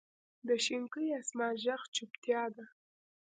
د شینکي اسمان ږغ چوپتیا ده.